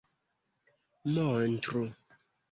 montru